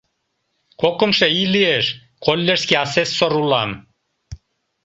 Кокымшо ий лиеш коллежский асессор улам.